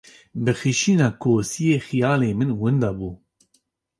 Bi xişîna kosiyê, xiyalê min winda bû.